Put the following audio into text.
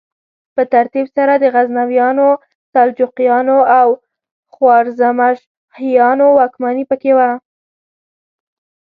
په ترتیب سره د غزنویانو، سلجوقیانو او خوارزمشاهیانو واکمني پکې وه.